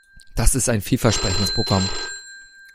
Das ist ein vielversprechendes Programm.